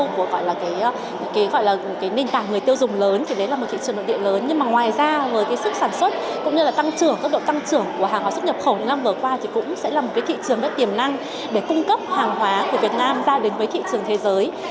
các bộ tăng trưởng của hàng hóa xuất nhập khổng lồ năm vừa qua cũng sẽ là một thị trường tiềm năng để cung cấp hàng hóa của việt nam ra đến với thị trường thế giới